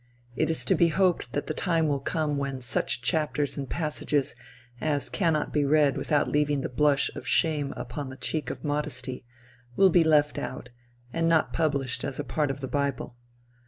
It is to be hoped that the time will come when such chapters and passages as cannot be read without leaving the blush of shame upon the cheek of modesty, will be left out, and not published as a part of the bible.